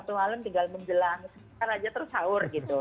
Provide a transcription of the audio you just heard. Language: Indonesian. satu malam tinggal menjelang setelah itu terus sahur gitu